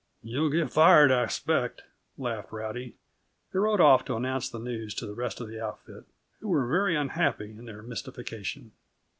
"You'll get fired, I expect," laughed Rowdy, and rode off to announce the news to the rest of the outfit, who were very unhappy in their mystification.